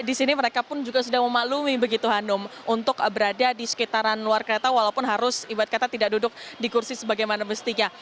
jadi di sini mereka pun juga sudah memaklumi begitu hanum untuk berada di sekitaran luar kereta walaupun harus ibad kata tidak duduk di kursi sebagaimana mestinya